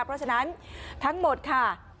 เพราะฉะนั้นทั้งหมดค่ะ